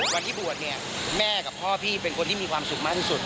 วันที่บวชเนี่ยแม่กับพ่อพี่เป็นคนที่มีความสุขมากที่สุด